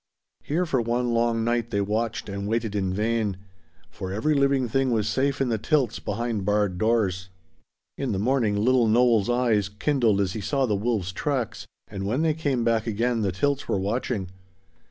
Here for one long night they watched and waited in vain; for every living thing was safe in the tilts behind barred doors. In the morning little Noel's eyes kindled as he saw the wolves' tracks; and when they came back again the tilts were watching.